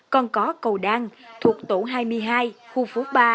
còn có cầu đăng thuộc tổ hai mươi hai khu phố ba